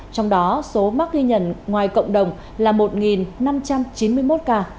trong đó số mắc ghi nhận ngoài cộng đồng là một năm trăm chín mươi một ca